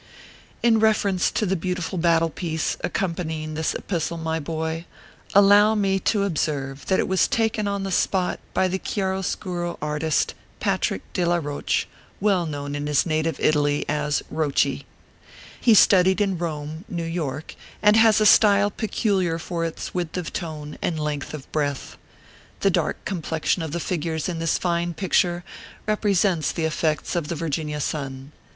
In reference to the beautiful battle piece, accom panying this epistle, my boy, allow me to observe that it was taken on the spot by the Chiar oscuro artist, Patrick de la Koach, well known in his native Italy as " Roachy." He studied in Rome (New York), and has a style peculiar for its width of tone and length of breath. The dark complexion of the ORPHEUS C. KERR PAPERS. 157 figures in this fine picture represents the effects of the Virginia sun.